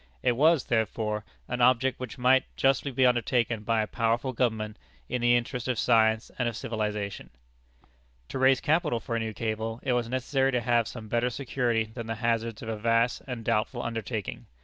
It was, therefore, an object which might justly be undertaken by a powerful government, in the interest of science and of civilization. To raise capital for a new cable, it was necessary to have some better security than the hazards of a vast and doubtful undertaking.